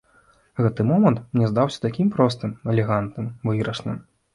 Гэты момант мне здаўся такім простым, элегантным, выйгрышным.